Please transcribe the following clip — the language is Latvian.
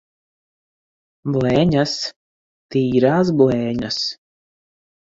Blēņas! Tīrās blēņas!